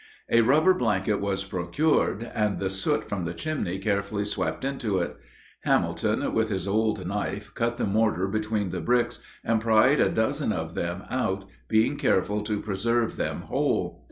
A rubber blanket was procured, and the soot from the chimney carefully swept into it. Hamilton, with his old knife, cut the mortar between the bricks and pried a dozen of them out, being careful to preserve them whole.